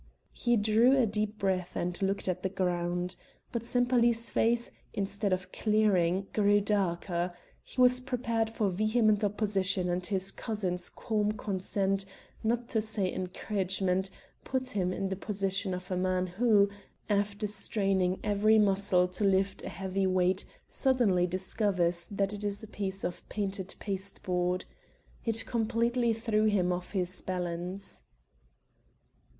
He drew a deep breath and looked at the ground. But Sempaly's face, instead of clearing, grew darker; he was prepared for vehement opposition and his cousin's calm consent, not to say encouragement, put him in the position of a man who, after straining every muscle to lift a heavy weight suddenly discovers that it is a piece of painted pasteboard. It completely threw him off his balance.